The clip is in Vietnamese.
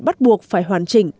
bắt buộc phải hoàn chỉnh